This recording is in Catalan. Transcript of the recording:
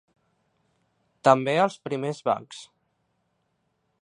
També als primers bancs.